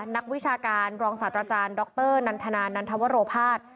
นักวิชาการรองศาสตราจารย์ดรนันทนานันทวโรภาส